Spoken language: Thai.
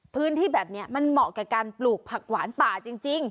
พื้นที่แบบนี้มันเหมาะกับการปลูกผักหวานป่าจริง